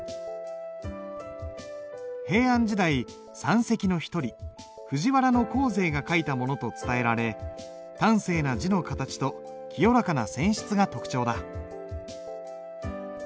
平安時代三蹟の一人藤原行成が書いたものと伝えられ端正な字の形と清らかな線質が特徴だ。